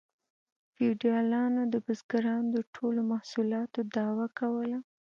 فیوډالانو د بزګرانو د ټولو محصولاتو دعوه کوله